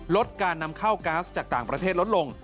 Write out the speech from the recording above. ลดการนำเข้าก๊าซจากต่างประเทศลดลง